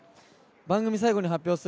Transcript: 番組最後に発表する